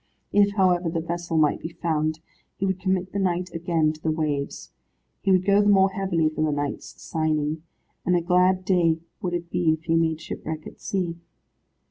If, however, the vessel might be found, he would commit the knight again to the waves. He would go the more heavily for the knight's saining, and a glad day would it be if he made shipwreck at sea.